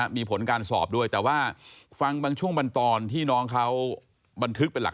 มันร้าวใจอาจารย์มากเลยหรือเปล่า